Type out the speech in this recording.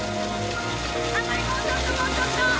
もうちょっともうちょっと！